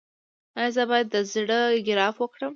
ایا زه باید د زړه ګراف وکړم؟